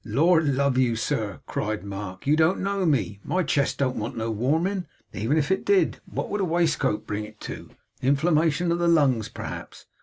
'Lord love you, sir!' cried Mark, 'you don't know me. My chest don't want no warming. Even if it did, what would no waistcoat bring it to? Inflammation of the lungs, perhaps?